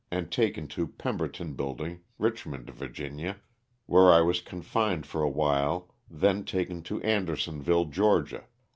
and taken to Pera berton building, Richmond, Va., where I was confined for a while then taken to Andersonville, Ga.